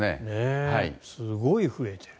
すごい増えてる。